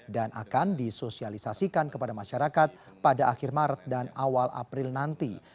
akan disosialisasikan kepada masyarakat pada akhir maret dan awal april nanti